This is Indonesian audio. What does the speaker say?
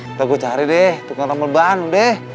kita gua cari deh tukang rempel banu deh